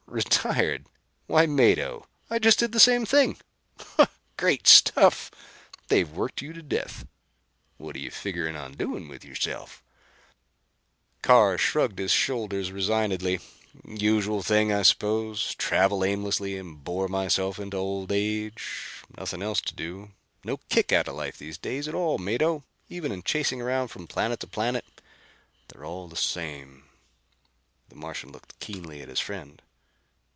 "Retired! Why Mado, I just did the same thing." "Great stuff! They've worked you to death. What are you figuring on doing with yourself?" Carr shrugged his shoulders resignedly. "Usual thing, I suppose. Travel aimlessly, and bore myself into old age. Nothing else to do. No kick out of life these days at all, Mado, even in chasing around from planet to planet. They're all the same." The Martian looked keenly at his friend.